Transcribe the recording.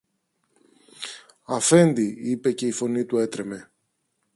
Αφέντη, είπε και η φωνή του έτρεμε